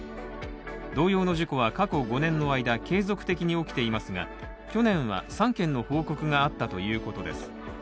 同様の事故は過去５年の間継続的に起きていますが去年は３件の報告があったということです。